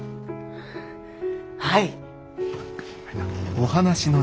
はい！